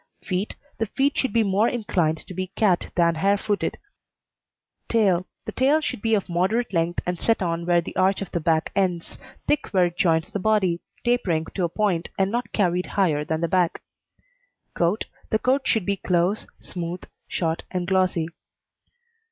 FEET The feet should be more inclined to be cat than hare footed. TAIL The tail should be of moderate length and set on where the arch of the back ends; thick where it joins the body, tapering to a point, and not carried higher than the back. COAT The coat should be close, smooth, short and glossy.